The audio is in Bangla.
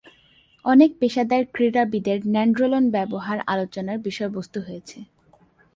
অনেক পেশাদার ক্রীড়াবিদের ন্যান্ড্রোলন ব্যবহার আলোচনার বিষয়বস্তু হয়েছে।